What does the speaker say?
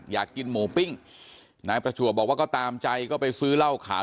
อยากกินหมูปิ้งนายประจวบบอกว่าก็ตามใจก็ไปซื้อเหล้าขาว